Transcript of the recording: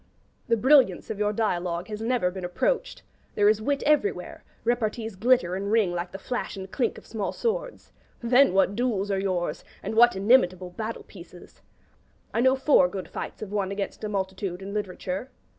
The brilliance of your dialogue has never been approached: there is wit everywhere; repartees glitter and ring like the flash and clink of small swords. Then what duels are yours! and what inimitable battle pieces! I know four good fights of one against a multitude, in literature.